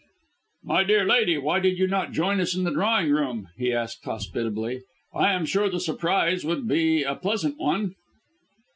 "My dear lady, why did you not join us in the drawing room?" he asked hospitably. "I'm sure the surprise would be a pleasant one."